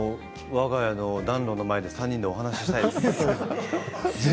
わが家の暖炉の前で３人で話がしたいです。